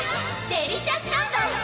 デリシャスタンバイ！